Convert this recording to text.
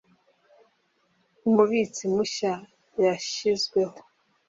umubitsi mushya yashyizweho